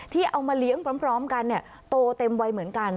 ที่เอามาเลี้ยงพร้อมกันโตเต็มวัยเหมือนกัน